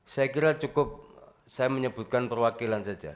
saya kira cukup saya menyebutkan perwakilan saja